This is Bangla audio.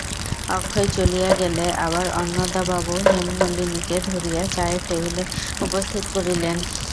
অক্ষয় চলিয়া গেলে আবার অন্নদাবাবু হেমনলিনীকে ধরিয়া চায়ের টেবিলে উপস্থিত করিলেন।